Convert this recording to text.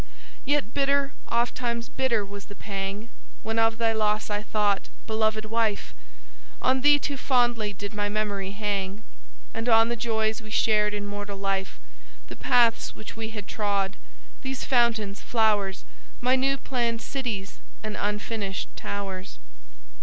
"'Yet bitter, ofttimes bitter was the pang When of thy loss I thought, beloved wife! On thee too fondly did my memory hang, And on the joys we shared in mortal life, The paths which we had trod, these fountains, flowers; My new planned cities and unfinished towers.